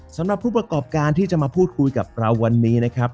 สำหรับผู้ประกอบการที่จะมาพูดคุยกับเราวันนี้นะครับ